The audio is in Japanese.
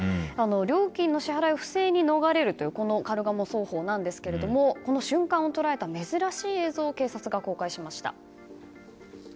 料金の支払いを不正に逃れるカルガモ走行なんですがこの瞬間を捉えた珍しい映像を警察が公開しました。